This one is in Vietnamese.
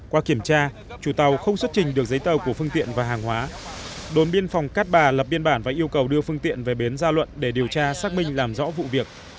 qua kiểm tra chủ tàu không xuất trình được giấy tờ của phương tiện và hàng hóa đồn biên phòng cát bà lập biên bản và yêu cầu đưa phương tiện về bến gia luận để điều tra xác minh làm rõ vụ việc